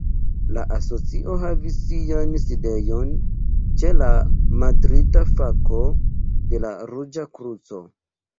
La asocio havis sian sidejon ĉe la madrida fako de la Ruĝa Kruco.